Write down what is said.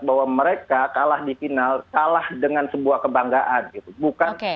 bahwa mereka kalah di final kalah dengan sebuah kebanggaan gitu